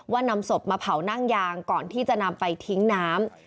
นำศพมาเผานั่งยางก่อนที่จะนำไปทิ้งน้ำ